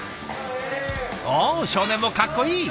お少年もかっこいい！